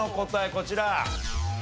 こちら。